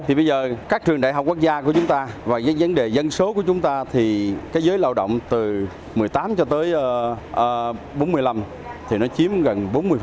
thì bây giờ các trường đại học quốc gia của chúng ta và cái vấn đề dân số của chúng ta thì cái giới lao động từ một mươi tám cho tới bốn mươi năm thì nó chiếm gần bốn mươi